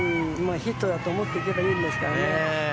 ヒットだと思って行けばいいんですからね。